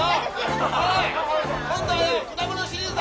おい今度はよ果物シリーズだ！